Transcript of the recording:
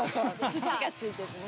土がついててね。